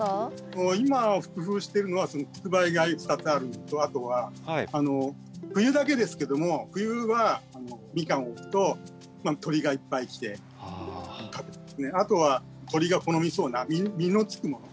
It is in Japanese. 今工夫してるのはつくばいが２つあるのとあとは冬だけですけども冬はミカンを置くとまあ鳥がいっぱい来てあとは鳥が好みそうな実のつくもの。